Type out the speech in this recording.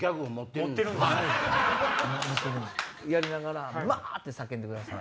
やりながら「マー！」って叫んでください。